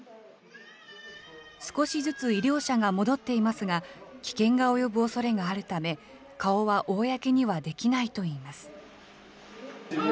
少しずつ医療者が戻っていますが、危険が及ぶおそれがあるため、顔は公にはできないといいます。